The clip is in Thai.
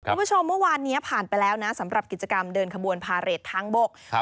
คุณผู้ชมเมื่อวานนี้ผ่านไปแล้วนะสำหรับกิจกรรมเดินขบวนพาเรททางบก